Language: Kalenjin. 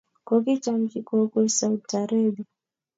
Kokichamji kowek Saudi Arabia